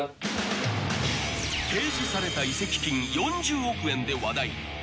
［提示された移籍金４０億円で話題］